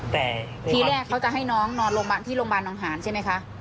แต่ที่แรกเขาจะให้น้องนอนที่โรงพยาบาลน้องหาญใช่ไหมคะ